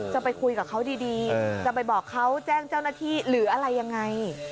จะไปคุยกับเขาดีจะไปบอกเขาแจ้งเจ้าหน้าที่หรืออะไรยังไง